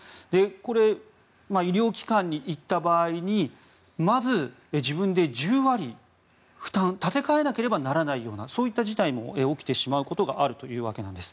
これ、医療機関に行った場合にまず自分で１０割負担立て替えなければならないような事態も起きてしまうことがあるようです。